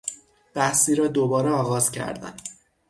بحثی را دوباره آغاز کردن